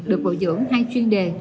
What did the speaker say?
được bộ dưỡng hai chuyên đề